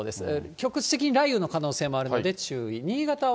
局地的に雷雨の可能性もあるので、注意。